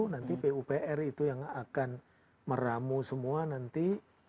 nanti pupr itu yang akan meramu semua nanti